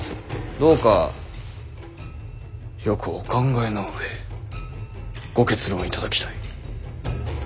どうかよくお考えの上ご結論をいただきたい。